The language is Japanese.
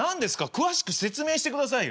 詳しく説明してくださいよ。